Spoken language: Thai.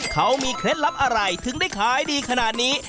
เขามีเคล็ดลับอะไรถึงได้ขายดีขนาดนี้